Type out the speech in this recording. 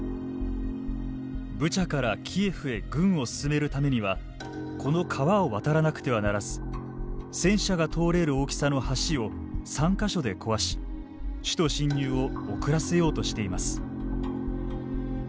ブチャからキエフへ軍を進めるためにはこの川を渡らなくてはならず戦車が通れる大きさの橋を３か所で壊し首都侵入を遅らせようとしています。